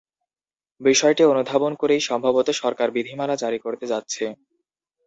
বিষয়টি অনুধাবন করেই সম্ভবত সরকার বিধিমালা জারি করতে যাচ্ছে।